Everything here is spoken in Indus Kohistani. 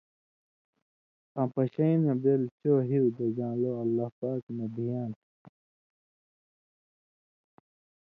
آں پَشَیں نہ بېل چو ہیُو دژان٘لو (اللہ پاک) نہ بِھیاں تھہ؛